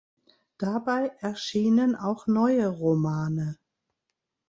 Dabei erschienen auch neue Romane.